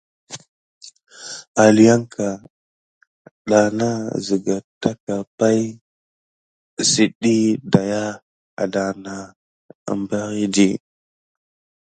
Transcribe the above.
Aliyanka da na ziga taka pay si diy daya adanah beridi.